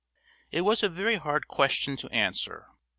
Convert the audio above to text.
It was a very hard question to answer.